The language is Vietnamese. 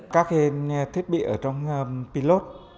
các thiết bị ở trong pilot